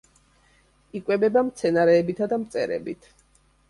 იკვებება მცენარეებითა და მწერებით.